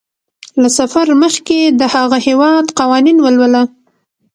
له سفر مخکې د هغه هیواد قوانین ولوله.